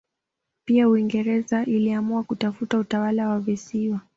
Pia Uingereza iliamua kutafuta utawala wa visiwa